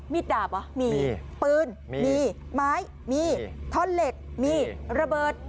ดาบเหรอมีปืนมีไม้มีท่อนเหล็กมีระเบิด